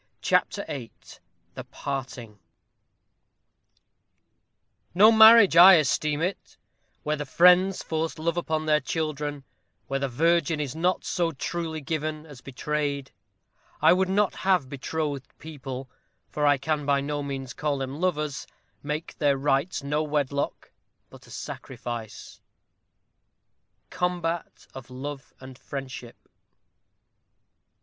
CHAPTER VIII THE PARTING No marriage I esteem it, where the friends Force love upon their children; where the virgin Is not so truly given as betrayed. I would not have betrothed people for I can by no means call them lovers make Their rites no wedlock, but a sacrifice. _Combat of Love and Friendship.